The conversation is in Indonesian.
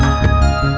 mak mau beli es krim